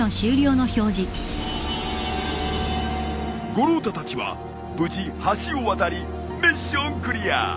五郎太たちは無事橋を渡りミッションクリア。